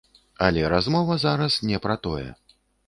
Але размова зараз не пра тое.